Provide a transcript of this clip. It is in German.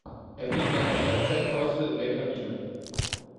Er blieb nach der Halbzeitpause in der Kabine.